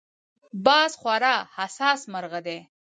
باز خورا حساس مرغه دی